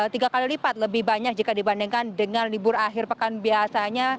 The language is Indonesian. tiga kali lipat lebih banyak jika dibandingkan dengan libur akhir pekan biasanya